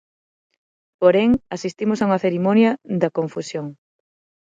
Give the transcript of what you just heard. Porén, asistimos a unha cerimonia da confusión.